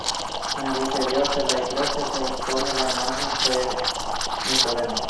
En el interior de la iglesia se expone la imagen de Nicodemo.